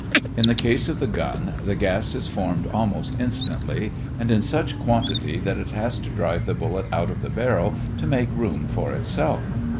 In the case of the gun the gas is formed almost instantly and in such quantity that it has to drive the bullet out of the barrel to make room for itself.